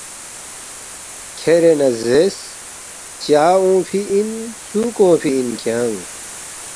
کھیرے نہ زیرس، ”چا اونگفی اِن ژُوک اونگفی اِن کھیانگ؟“